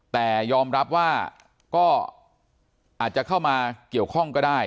แต่ยอมรับว่าก็อาจจะเข้ามาเกี่ยวข้องก็ได้